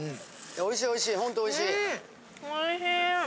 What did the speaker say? おいしいおいしいほんとおいしい。